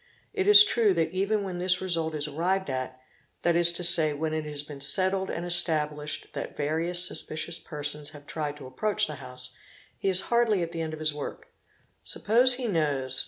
It is true that even when this result is arrived at, that is to say, when it has been settled and established that various suspicious persons have tried to approach the house, he is hardly at the end of his work; suppose he — knows, ¢.